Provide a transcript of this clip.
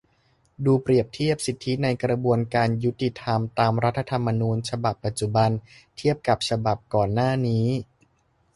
ดูเปรียบเทียบ สิทธิในกระบวนการยุติธรรม ตาม รัฐธรรมนูญ ฉบับปัจจุบัน เทียบกับฉบับก่อนหน้านี้